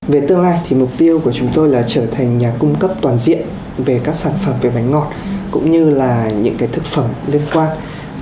về tương lai thì mục tiêu của chúng tôi là trở thành nhà cung cấp toàn diện về các sản phẩm về bánh ngọt cũng như là những cái thực phẩm liên quan